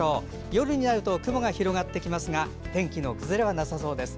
夜になると雲が広がってきますが天気の崩れはなさそうです。